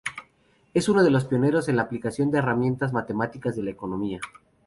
Es uno de los pioneros en la aplicación de herramientas matemáticas a la economía.